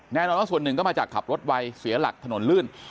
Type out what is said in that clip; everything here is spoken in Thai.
แนวรอส่วนหนึ่งมาจากขับรถวัยเสียหลักถนนลื่น